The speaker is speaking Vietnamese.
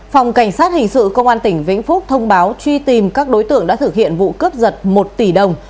phòng cảnh sát hình sự công an tỉnh vĩnh phúc thông báo truy tìm các đối tượng đã thực hiện vụ cướp giật một tỷ đồng